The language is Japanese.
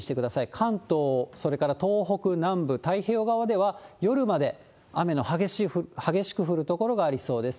関東、それから東北南部、太平洋側では、夜まで雨の激しく降る所がありそうです。